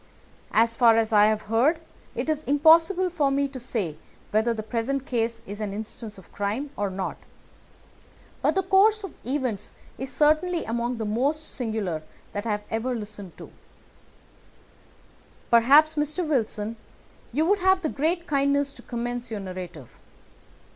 As far as I have heard, it is impossible for me to say whether the present case is an instance of crime or not, but the course of events is certainly among the most singular that I have ever listened to. Perhaps, Mr. Wilson, you would have the great kindness to recommence your narrative.